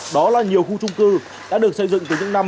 đó là nhiều khu trung cư đã được xây dựng từ những năm